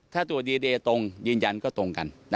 ถ้าตัวดีเดย์ตรงยืนยันก็ตรงกัน